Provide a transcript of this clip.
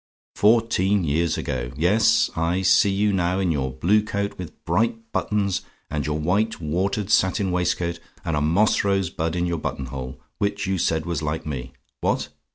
Fourteen years ago! Yes, I see you now, in your blue coat with bright buttons, and your white watered satin waistcoat, and a moss rose bud in your button hole, which you said was like me. What?